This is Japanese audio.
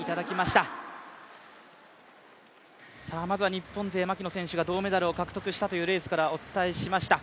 日本勢、牧野選手が銅メダルを獲得したというレースからお伝えしました。